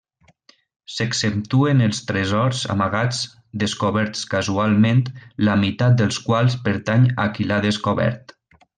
S'exceptuen els tresors amagats, descoberts casualment, la meitat dels quals pertany a qui l'ha descobert.